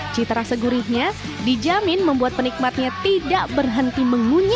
cita rasa gurihnya dijamin membuat penikmatnya tidak berhenti mengunya